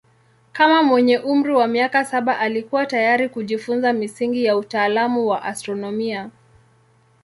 Kama mwenye umri wa miaka saba alikuwa tayari kujifunza misingi ya utaalamu wa astronomia.